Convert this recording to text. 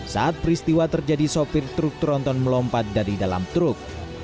saat peristiwa terjadi sopir truk tronton melompat dari dalam truk